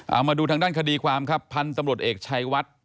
เอามาดูทางด้านคดีความครับพันธุ์ตำรวจเอกชัยวัด